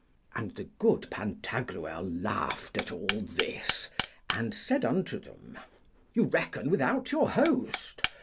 And the good Pantagruel laughed at all this, and said unto them, You reckon without your host.